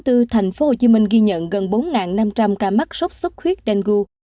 tp hcm ghi nhận gần bốn năm trăm linh ca mắc sốt xuất huyết dengue